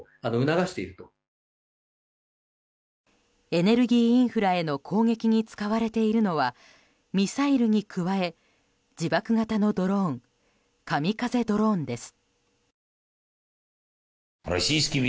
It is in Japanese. エネルギーインフラへの攻撃に使われているのはミサイルに加え自爆型のドローンカミカゼ・ドローンです。